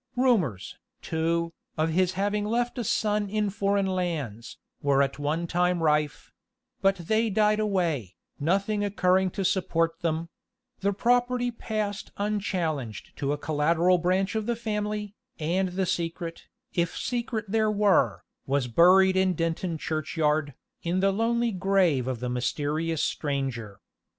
Rumors, too, of his having left a son in foreign lands, were at one time rife; but they died away, nothing occurring to support them: the property passed unchallenged to a collateral branch of the family, and the secret, if secret there were, was buried in Denton churchyard, in the lonely grave of the mysterious stranger.